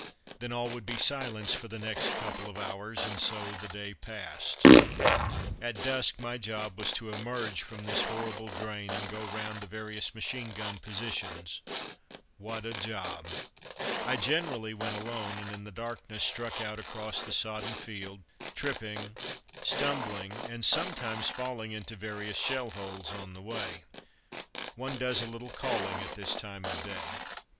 Then all would be silence for the next couple of hours, and so the day passed. [Illustration: The Knave of Spades.] At dusk, my job was to emerge from this horrible drain and go round the various machine gun positions. What a job! I generally went alone, and in the darkness struck out across the sodden field, tripping, stumbling, and sometimes falling into various shell holes on the way. One does a little calling at this time of day.